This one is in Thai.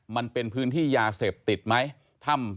มันเป็นพื้นที่ยาเสพติดไหม